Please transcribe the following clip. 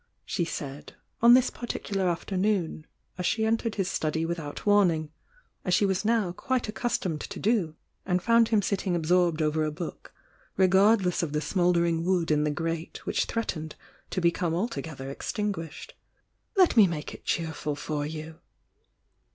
she said, on this particular afternoon, as she entered his study without warning, as she was now quite accustomed to do, and found him sitting absorbed over a book, regardless of the smouldering wood in the grate which threatened to become altogether extinguished. "Lee me make it cheerful for you!"